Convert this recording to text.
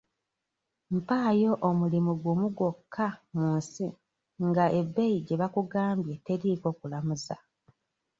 Mpaayo omulimu gumu gwokka mu nsi nga ebbeeyi gye bakugambye teriiko kulamuza.